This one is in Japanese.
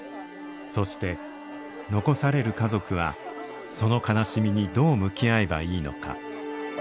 そして残される家族はその悲しみにどう向き合えばいいのか。